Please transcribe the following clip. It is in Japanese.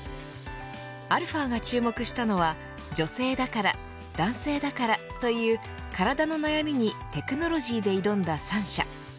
αが注目したのは女性だから男性だからという体の悩みにテクノロジーで挑んだ３社。